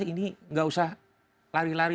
ini nggak usah lari lari